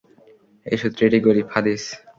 এ সুত্রে এটি গরীব হাদীস।